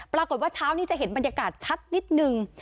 ปรากฏว่าเช้านี้จะเห็นบรรยากาศชัดนิดนึง